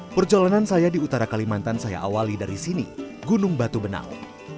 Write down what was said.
perjalanan saya di utara kalimantan saya awali dari sini gunung batu benau